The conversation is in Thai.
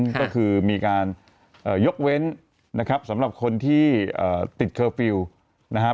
ก็คือมีการยกเว้นนะครับสำหรับคนที่ติดเคอร์ฟิลล์นะครับ